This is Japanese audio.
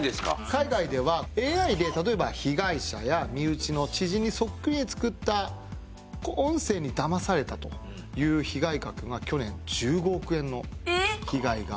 海外ではＡＩで例えば被害者や身内の知人にそっくりに作った音声にだまされたという被害額が去年１５億円の被害があったといわれている。